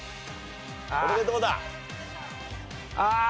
ああ！